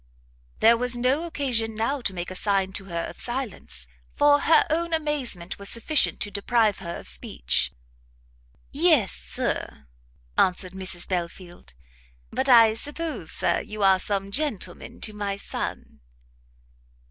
There was no occasion, now, to make a sign to her of silence, for her own amazement was sufficient to deprive her of speech. "Yes, Sir," answered Mrs Belfield; "but I suppose, Sir, you are some gentleman to my son."